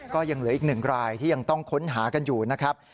ก็ยังเหลืออีก๑รายที่ยังต้องค้นหากันอยู่นะครับ